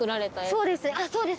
そうです！